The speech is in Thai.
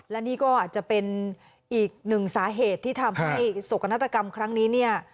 และนี่ก็อาจจะเป็นอีกหนึ่งสาเหตุที่ทำให้โศกนาฏกรรมครั้งนี้เนี่ย